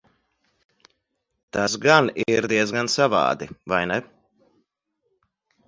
Tas gan ir diezgan savādi, vai ne?